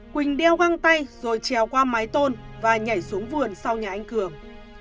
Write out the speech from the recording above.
quỳnh đeo găng tay rồi trèo qua mái tôn và nhảy xuống vườn sau nhà anh cường